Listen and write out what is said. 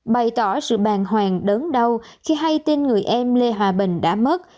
bày tỏ sự bàn hoàng đớn đau khi hay tin người em lê hòa bình đã mất